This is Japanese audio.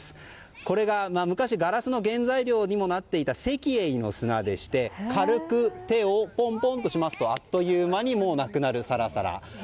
これが昔ガラスの原材料にもなっていた石英の砂でして軽く手をポンポンとしますとあっという間になくなるサラサラ。